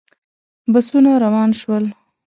بسونه روان شول.